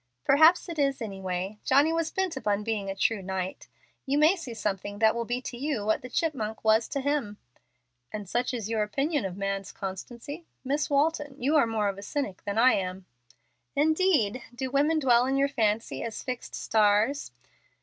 "Perhaps it is anyway. Johnny was bent upon being a true knight. You may see something that will be to you what the chipmonk was to him." "And such is your opinion of man's constancy? Miss Walton, you are more of a cynic than I am." "Indeed! Do women dwell in your fancy as fixed stars?"